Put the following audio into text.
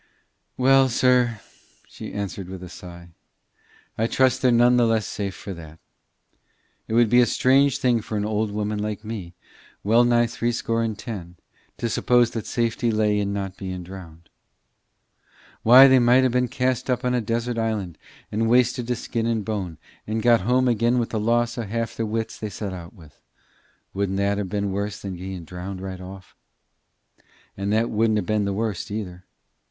"Well, sir," she answered, with a sigh, "I trust they're none the less safe for that. It would be a strange thing for an old woman like me, well nigh threescore and ten, to suppose that safety lay in not being drownded. Why, they might ha' been cast on a desert island, and wasted to skin an' bone, and got home again wi' the loss of half the wits they set out with. Wouldn't that ha' been worse than being drownded right off? And that wouldn't ha' been the worst, either.